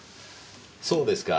そうですか。